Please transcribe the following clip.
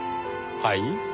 はい？